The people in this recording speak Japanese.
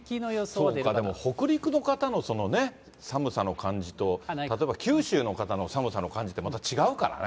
そうか、でも北陸の方の寒さの感じと、例えば九州の方の寒さの感じって、また違うからね。